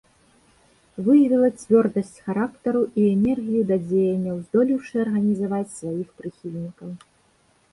Выявіла цвёрдасць характару і энергію да дзеянняў, здолеўшы арганізаваць сваіх прыхільнікаў.